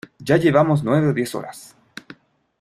ya llevamos nueve o diez horas.